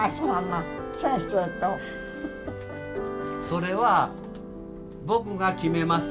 それは僕が決めます。